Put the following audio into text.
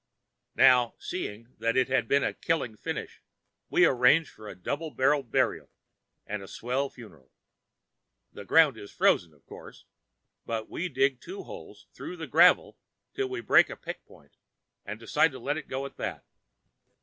"Now, seeing that it had been a killing finish, we arrange for a double barreled burial and a swell funeral. The ground is froze, of course, but we dig two holes through the gravel till we break a pick point and decide to let it go at that.